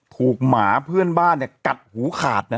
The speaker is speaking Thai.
หมาเพื่อนบ้านเนี่ยกัดหูขาดนะ